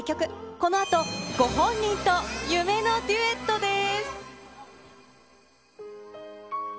このあと、ご本人と夢のデュエットです。